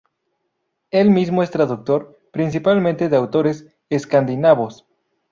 Él mismo es traductor, principalmente de autores escandinavos.